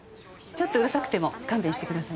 ちょっとうるさくても勘弁してくださいね。